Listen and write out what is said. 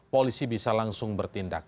polisi bisa langsung bertindak